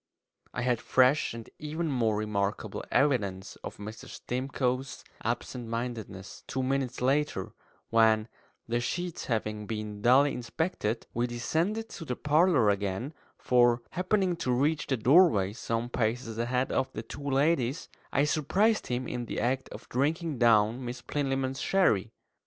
I had fresh and even more remarkable evidence of Mr. Stimcoe's absent mindedness two minutes later, when, the sheets having been duly inspected, we descended to the parlour again; for, happening to reach the doorway some paces ahead of the two ladies, I surprised him in the act of drinking down Miss Plinlimmon's sherry.